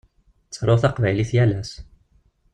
Ttaruɣ taqbaylit yal ass.